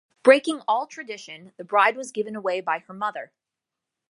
Breaking all tradition, the bride was given away by her mother.